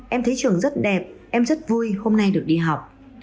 em thấy trường rất đẹp em rất vui hôm nay được đi học